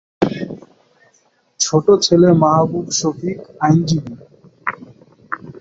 ছোট ছেলে মাহবুব শফিক আইনজীবী।